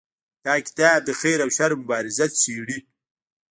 دا کتاب د خیر او شر مبارزه څیړي.